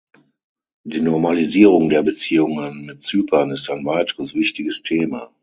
Die Normalisierung der Beziehungen mit Zypern ist ein weiteres wichtiges Thema.